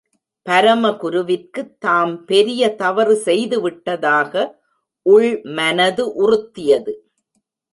பரமகுருவிற்கு தாம் பெரிய தவறு செய்து விட்டதாக உள் மனது உறுத்தியது.